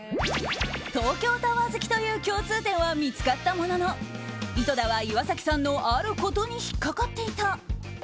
東京タワー好きという共通点は見つかったものの井戸田は、岩崎さんのあることに引っかかっていた。